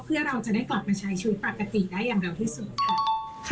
เพื่อเราจะได้กลับมาใช้ชีวิตปกติได้อย่างเร็วที่สุดค่ะ